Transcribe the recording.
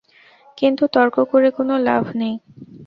কিন্তু তর্ক করে কোনো লাভ নেই।